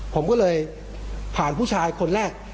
ผมก็เลยผ่านผู้ชายคนแรก